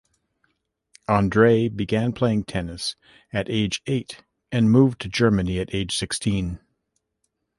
Andrei began playing tennis at age eight, and moved to Germany at age sixteen.